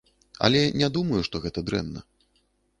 Але не думаю, што гэта дрэнна.